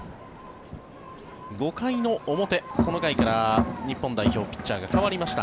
５回の表この回から日本代表ピッチャーが代わりました。